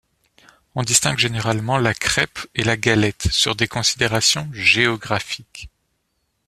On distingue généralement la crêpe et la galette sur des considérations géographiques.